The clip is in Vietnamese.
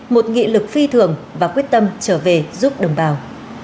một nghị lực phi thường và quyết tâm trở về giúp đồng bào